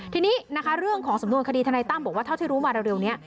ทีนี้นะคะเรื่องของสำนวนคดีทนายตั้มบอกว่าเท่าที่รู้มาเร็วนี้